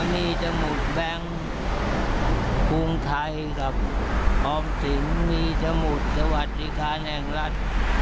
มีชมุดแบงค์ภูมิไทยครับออมสิงมีชมุดสวัสดิกาแห่งรัฐ